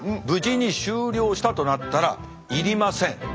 無事に終了したとなったらいりません